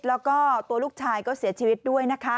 และก็ตัวลูกชายเสียชีวิตด้วย